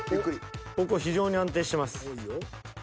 ［ここ非常に安定してます］